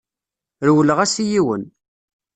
Rewleɣ-as i yiwen.